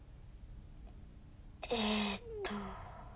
えっと。